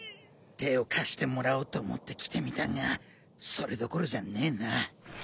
手を貸してもらおうと思って来てみたがそれどころじゃねえな。